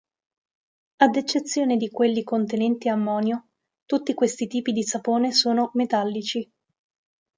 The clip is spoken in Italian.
Ad eccezione di quelli contenenti ammonio, tutti questi tipi di sapone sono "metallici".